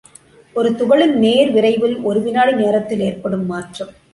ஒரு துகளின் நேர்விரைவில் ஒரு வினாடி நேரத்தில் ஏற்படும் மாற்றம்.